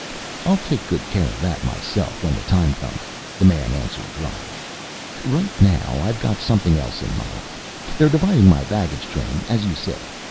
"I'll take good care of that myself, when the time comes," the man answered drily. "Right now, I've got something else in mind. They're dividing my baggage train, as you said.